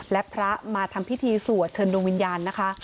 และพระมาทำพิธีสวดเชิญดวงวิญญาณนะคะ